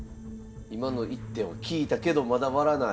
今の一手は効いたけどまだ割らない。